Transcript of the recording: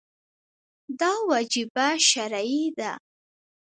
دا وجیبه شرعي ده.